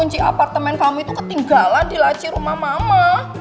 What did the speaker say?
kunci apartemen kami itu ketinggalan di laci rumah mama